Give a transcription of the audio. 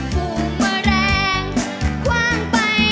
พูดโบทักดอกจำป่า